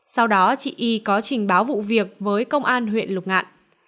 sau đó chị y có trình báo vụ việc với công an huyện lục ngạn